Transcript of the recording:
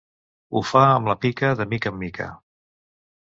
Ho fa amb la pica de mica en mica.